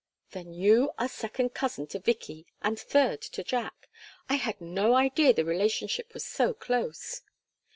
"Then you are second cousin to Vicky and third to Jack. I had no idea the relationship was so close."